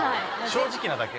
正直なだけ？